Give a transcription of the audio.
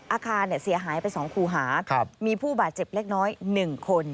อาคารเสียหายไป๒คูหามีผู้บาดเจ็บเล็กน้อย๑คน